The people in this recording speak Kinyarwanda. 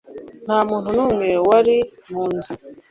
Nta muntu n'umwe wari mu nzu.